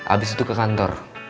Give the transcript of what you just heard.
abis itu ke kantor